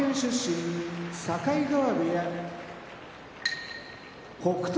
境川部屋北勝